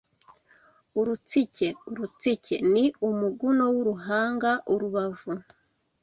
Urutsike : urutsike ni umuguno w’uruhanga Urubavu